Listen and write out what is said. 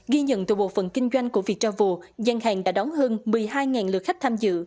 ghi nhận từ bộ phận kinh doanh của việt tra vù gian hàng đã đóng hơn một mươi hai lượt khách tham dự